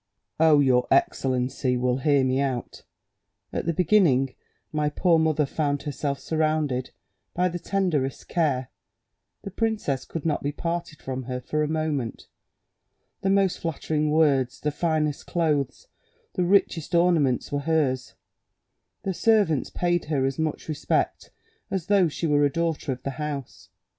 "Oh, your excellency will hear me out. At the beginning, my poor mother found herself surrounded by the tenderest care: the princess could not be parted from her for a moment; the most flattering words, the finest clothes, the richest ornaments were hers; the servants paid her as much respect as though she were a daughter of the house.